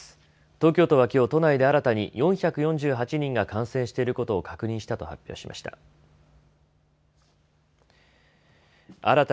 東京都はきょう都内で新たに４４８人が感染していることを確認したと発表しました。